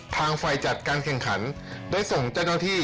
ทางฝ่ายจัดการแข่งขันได้ส่งเจ้าหน้าที่